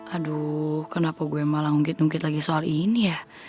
aduh kenapa gue malah ungkit ungkit lagi soal ini ya